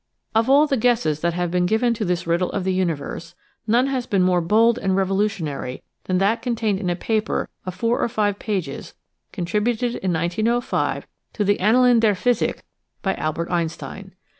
Of all the guesses that have been given to this rid dle of the universe none has been more bold and revo lutionary than that contained in a paper of four or five pages contributed in 1905 to the Annalen der Physik by Albert Einstein.